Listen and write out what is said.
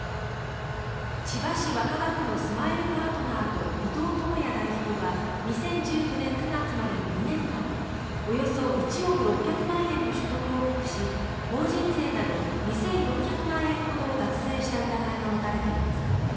千葉市若葉区のスマイルパートナーと伊藤友哉代表は２０１９年９月までの２年間でおよそ１億６００万円の所得を隠し法人税など２４００万円ほどを脱税した疑いが持たれています。